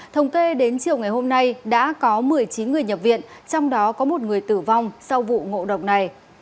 thống kê đến chiều ngày hôm nay đã có một mươi chín người nhập viện trong đó có một người tử vong sau vụ ngộ độc này